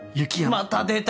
また出た！